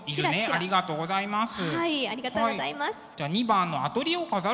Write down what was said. ありがとうございます。